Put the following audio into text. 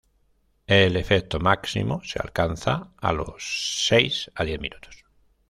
El efecto máximo se alcanza a los seis a diez minutos.